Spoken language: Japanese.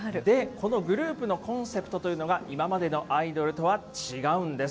このグループのコンセプトというのが、今までのアイドルとは違うんです。